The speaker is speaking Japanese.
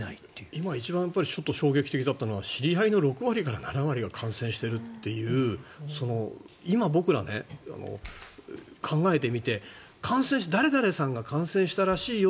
今、一番衝撃的だったのが知り合いの６割から７割が感染しているという今僕ら、考えてみて誰々さんが感染したらしいよ